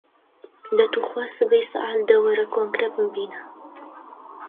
دە توخوا سبەی سەعات دە، وەرە کۆنگرە بمبینە!